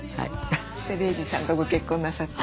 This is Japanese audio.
で玲児さんとご結婚なさって。